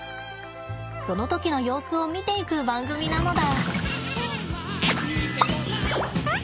その時の様子を見ていく番組なのだ。